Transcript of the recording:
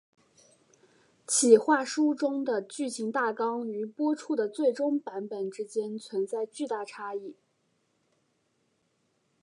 企划书中的剧情大纲与播出的最终版本之间存在巨大差异。